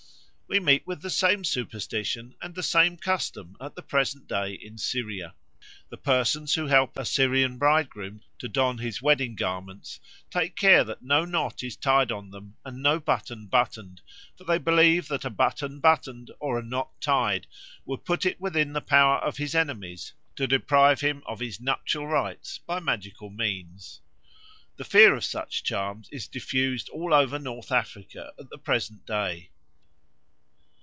We meet with the same superstition and the same custom at the present day in Syria. The persons who help a Syrian bridegroom to don his wedding garments take care that no knot is tied on them and no button buttoned, for they believe that a button buttoned or a knot tied would put it within the power of his enemies to deprive him of his nuptial rights by magical means. The fear of such charms is diffused all over North Africa at the present day.